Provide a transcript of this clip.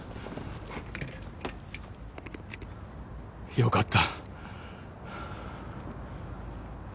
よかった。